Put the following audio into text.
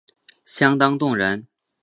相当动人